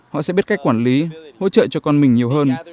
họ sẽ biết cách quản lý hỗ trợ cho con mình nhiều hơn